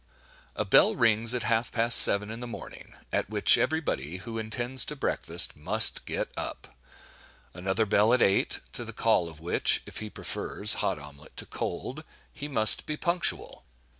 A bell rings at half past seven in the morning, at which every body who intends to breakfast, must get up; another bell at eight, to the call of which, if he prefers hot omelette to cold, he must be punctual.